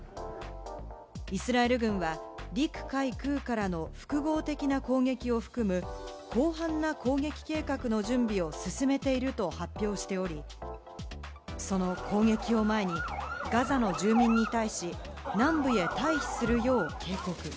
イスラエル軍は陸海空からの複合的な攻撃を含む広範な攻撃計画の準備を進めていると発表しており、その攻撃を前にガザの住民に対し、南部へ退避するよう警告。